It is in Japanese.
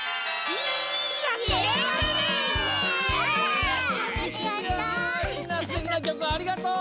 みんなすてきなきょくをありがとう！